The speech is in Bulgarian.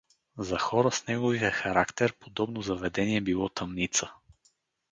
За хора с неговия характер подобно заведение било тъмница.